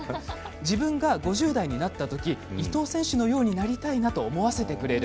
自分が５０代になったとき伊藤選手のようになりたいなと思わせてくれる。